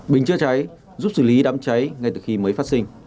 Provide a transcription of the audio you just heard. bình chữa cháy giúp xử lý đám cháy ngay từ khi mới phát sinh